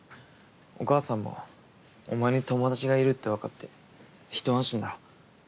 お母さんもお前に友達がいるって分かってひと安心だろ。